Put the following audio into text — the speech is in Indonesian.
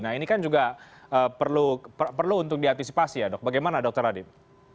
nah ini kan juga perlu untuk diantisipasi ya dok bagaimana dokter adib